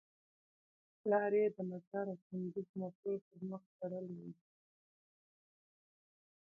لار یې د مزار او کندوز موټرو پر مخ تړلې وه.